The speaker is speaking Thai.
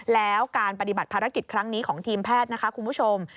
แล้วการปฏิบัติภารกิจครั้งนี้ของทีมแพทย์นะคะคุณผู้ชม